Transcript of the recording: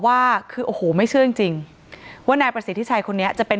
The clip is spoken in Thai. ว่าคือโอ้โหไม่เชื่อจริงจริงว่านายประสิทธิชัยคนนี้จะเป็น